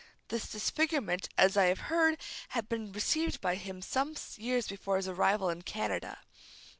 This disfigurement, as I have heard, had been received by him some years before his arrival in Canada.